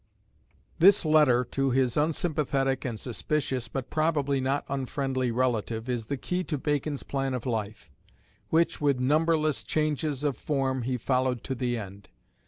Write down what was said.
This letter to his unsympathetic and suspicious, but probably not unfriendly relative, is the key to Bacon's plan of life; which, with numberless changes of form, he followed to the end.